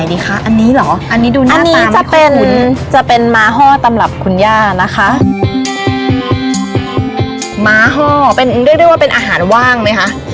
เยอะมากค่ะคุณผู้ชม